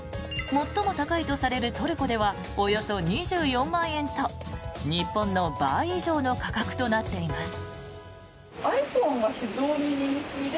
最も高いとされるトルコではおよそ２４万円と日本の倍以上の価格となっています。